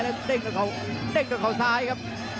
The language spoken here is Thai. และเด้งด้วยเขาซ้ายครับ